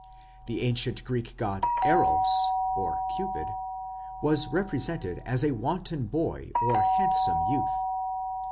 The ancient Greek god Eros (Cupid) was represented as a wanton boy or handsome youth.